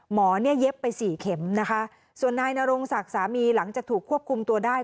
หมอเนี่ยเย็บไปสี่เข็มนะคะส่วนนายนรงศักดิ์สามีหลังจากถูกควบคุมตัวได้